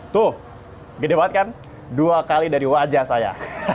tuh gede banget kan dua kali dari wajah saya